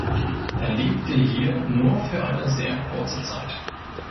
Er lebte hier nur für eine sehr kurze Zeit.